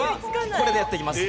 これでやっていきます。